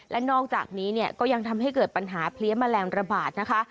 และนอกจากนี้เนี่ยก็ยังทำให้เกิดปัญหาเพลี้ยแมลงระบาดนะคะ